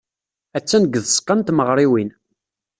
Attan deg tzeɣɣa n tmeɣriwin.